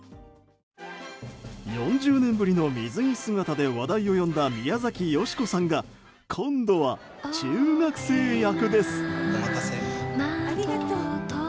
４０年ぶりの水着姿で話題を呼んだ宮崎美子さんが今度は中学生役です。